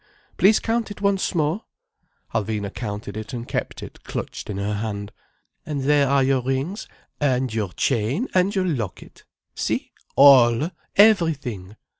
Please count it once more!—" Alvina counted it and kept it clutched in her hand. "And there are your rings, and your chain, and your locket—see—all—everything—!